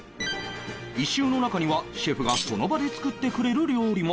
一周の中にはシェフがその場で作ってくれる料理も